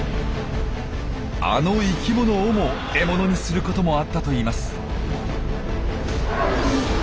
あの生きものをも獲物にすることもあったといいます。